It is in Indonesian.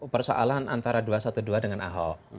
persoalan antara dua ratus dua belas dengan ahok